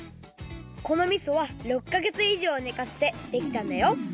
このみそは６かげついじょうねかせてできたんだよ